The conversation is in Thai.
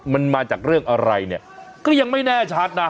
มันมาจากเรื่องอะไรเนี่ยก็ยังไม่แน่ชัดนะ